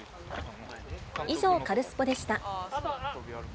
以上、カルスポっ！でした。